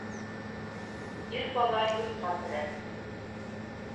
Ир бала йортҡа терәк